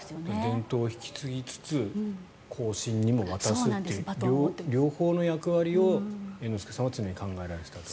伝統を引き継ぎつつ後進にも渡すという両方の役割を猿之助さんは常に考えられていたと。